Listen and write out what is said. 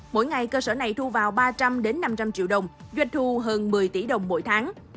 mỗi ngày cơ sở này thu vào ba trăm linh năm trăm linh triệu đồng doanh thu hơn một mươi tỷ đồng mỗi tháng